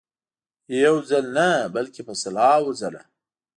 یو ځل نه بلکې په سلهاوو ځله.